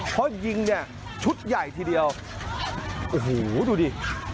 เพราะยิงเนี่ยชุดใหญ่ทีเดียวโอ้โหดูดิ